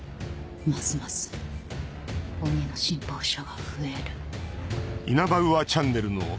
ますます鬼の信奉者が増える。